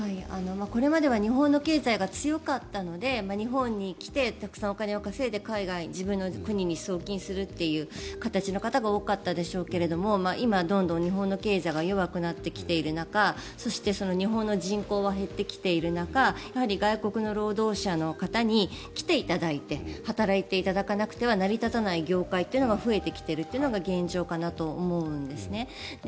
これまでは日本の経済が強かったので日本に来てたくさんお金を稼いで自分の国に送金するという形の方が多かったでしょうが今、どんどん日本の経済が弱くなってきている中そして、日本の人口が減ってきている中外国の労働者の方に来ていただいて働いていただかなくては成り立たない業界が増えてきているというのが現状かなと思うんです。